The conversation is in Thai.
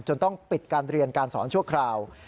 ต้องปิดการเรียนการสอนชั่วคราว